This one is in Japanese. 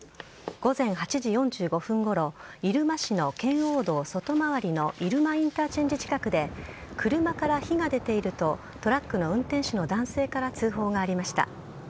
午前８時４５分ごろ入間市の圏央道外回りの入間インターチェンジ近くで車から火が出ているとトラックの運転手の男性から通報がありました。